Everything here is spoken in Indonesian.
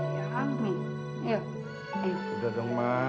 udah dong ma